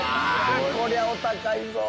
こりゃお高いぞ！